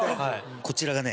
こちらがね